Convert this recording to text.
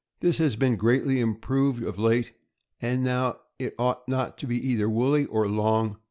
This has been greatly improved of late, and now it ought not to be either woolly or long.